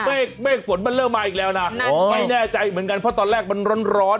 เมฆเมฆฝนมันเริ่มมาอีกแล้วนะไม่แน่ใจเหมือนกันเพราะตอนแรกมันร้อน